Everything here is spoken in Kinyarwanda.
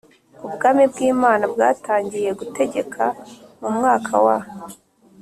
Ubwami bw’Imana bwatangiye gutegeka mu mwaka wa